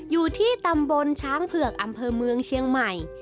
อยู่ที่ตำบลช้างเผือกอำเภอเมืองเชียงใหม่